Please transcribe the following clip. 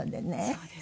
そうですね。